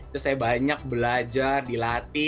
terus saya banyak belajar dilatih